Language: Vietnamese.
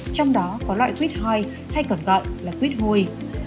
trong đó có loại quýt hoi hay còn gọi là quýt hôi